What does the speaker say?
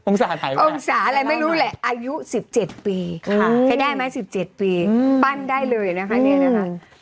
องศาอะไรไม่รู้แหละอายุ๑๗ปีใช้ได้ไหม๑๗ปีปั้นได้เลยนะคะเนี่ยนะคะ